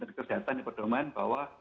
menteri kesehatan yang berdomaan bahwa